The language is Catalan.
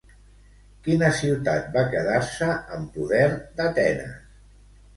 Quina ciutat va quedar-se en poder d'Atenes?